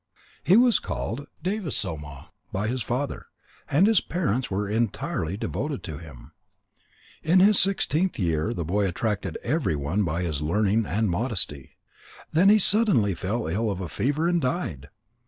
He was called Devasoma by his father, and his parents were entirely devoted to him. In his sixteenth year the boy attracted everyone by his learning and modesty. Then he suddenly fell ill of a fever and died.